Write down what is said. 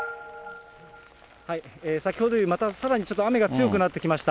先ほどよりまたさらに、ちょっと雨が強くなってきました。